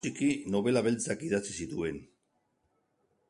Nagusiki nobela beltzak idatzi zituen.